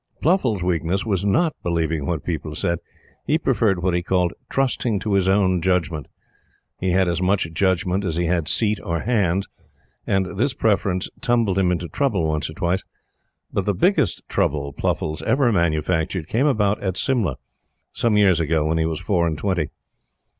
Pluffles' weakness was not believing what people said. He preferred what he called "trusting to his own judgment." He had as much judgment as he had seat or hands; and this preference tumbled him into trouble once or twice. But the biggest trouble Pluffles ever manufactured came about at Simla some years ago, when he was four and twenty.